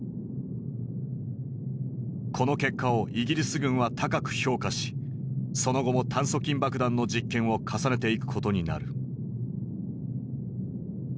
この結果をイギリス軍は高く評価しその後も炭疽菌爆弾の実験を重ねていくことになる。